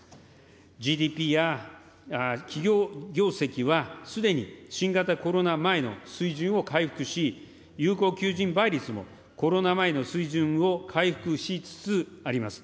ＧＤＰや企業業績はすでに新型コロナ前の水準を回復し、有効求人倍率もコロナ前の水準を回復しつつあります。